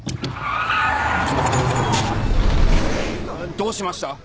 どうしました？